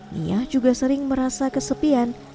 nia juga sering merasa kesepian